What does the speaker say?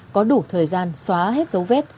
có đủ thời gian xóa hết dấu vết